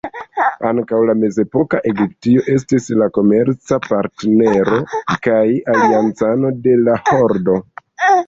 Ankaŭ la mezepoka Egiptio estis la komerca partnero kaj aliancano de la Hordo.